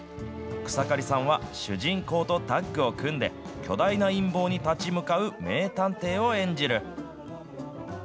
草刈さんは主人公とタッグを組んで、巨大な陰謀に立ち向かう名探偵を演じる。